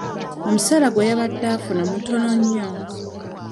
Omusaala gwe yabadde afuna mutono nnyo .